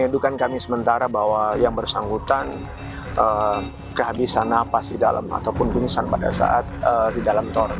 rindukan kami sementara bahwa yang bersangkutan kehabisan nafas di dalam ataupun pingsan pada saat di dalam tor